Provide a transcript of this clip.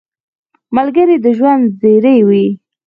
ملګری د ژوند زېری وي